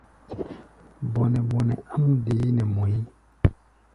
Bɔnɛ-bɔnɛ áʼm deé nɛ mɔʼí̧.